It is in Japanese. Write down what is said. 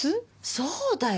そうだよ。